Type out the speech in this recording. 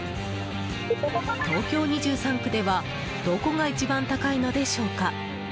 東京２３区ではどこが一番高いのでしょうか。